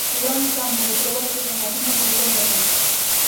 O gran campo de probas destas vacinas vai ser o Brasil.